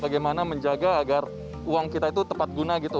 bagaimana menjaga agar uang kita itu tepat guna gitu